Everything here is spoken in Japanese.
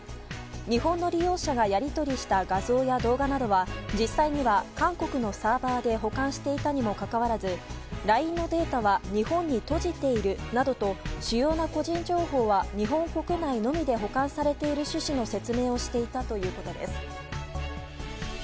日本の利用者がやり取りした画像や動画などは実際には韓国のサーバーで保管していたにもかかわらずＬＩＮＥのデータは日本に閉じているなどと主要な個人情報は日本国内のみで保管されている趣旨の説明をしていたということです。